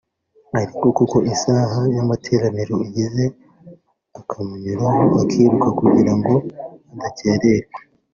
ariko kuko isaha y’amateraniro igeze akamunyuraho akiruka kugira ngo adakererwa